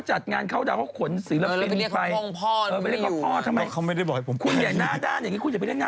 จะดับป๊อกเป็นไปเล่นละครนะ